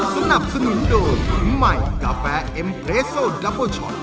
สำหรับสนุนโดยกลุ่มใหม่กาแฟเอ็มเพรโซดับเบอร์ช็อต